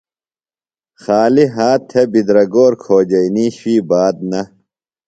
خالیۡ ہات تھےۡ بِدرگور کھوجئینی شُوئی بات نہ۔